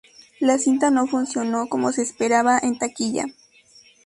La cinta no funcionó como se esperaba en taquilla.